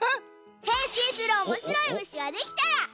へんしんするおもしろいむしができたら。